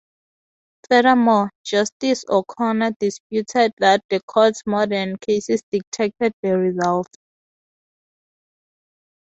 Furthermore, Justice O'Connor disputed that the Court's modern cases dictated the result.